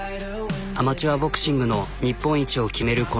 アマチュアボクシングの日本一を決める